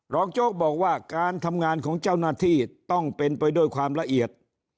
โจ๊กบอกว่าการทำงานของเจ้าหน้าที่ต้องเป็นไปด้วยความละเอียด